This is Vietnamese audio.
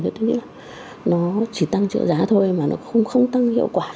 thì tức là nó chỉ tăng trợ giá thôi mà nó không tăng hiệu quả